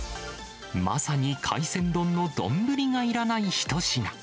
まさに海鮮丼の丼がいらない一品。